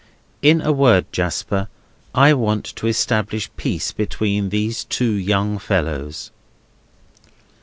In a word, Jasper, I want to establish peace between these two young fellows."